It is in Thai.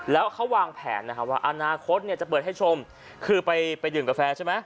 แล้วเขาวางแผนนะครับว่าอนาคตเนี่ยจะเปิดให้ชมคือไปดื่มกาแฟใช่ไหม